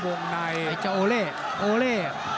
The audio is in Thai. วงในโอเล่โอเล่